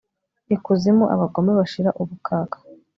ikuzimu, abagome bashira ubukaka